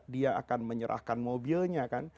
dia akan menyerahkan mobilnya